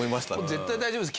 絶対大丈夫です。